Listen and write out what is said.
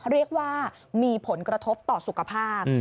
เรียกว่ามีผลกระทบต่อสุขภาพ